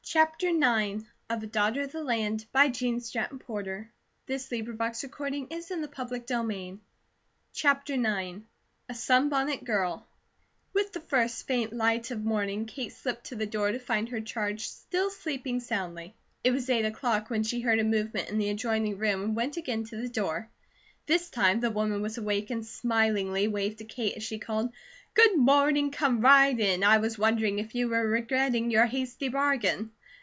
"I'm not myself," said the little woman, "but I do seem to take to being waited upon with the most remarkable facility!" CHAPTER IX A SUNBONNET GIRL WITH the first faint light of morning, Kate slipped to the door to find her charge still sleeping soundly. It was eight o'clock when she heard a movement in the adjoining room and went again to the door. This time the woman was awake and smilingly waved to Kate as she called: "Good morning! Come right in. I was wondering if you were regretting your hasty bargain."